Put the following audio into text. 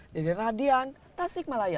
dari radian tasik malaya